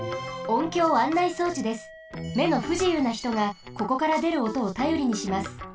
めのふじゆうなひとがここからでるおとをたよりにします。